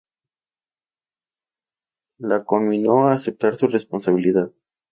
La conminó a aceptar su responsabilidad.